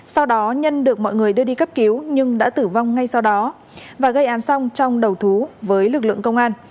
sau đó nhân được mọi người đưa đi cấp cứu nhưng đã tử vong ngay sau đó và gây án xong trong đầu thú với lực lượng công an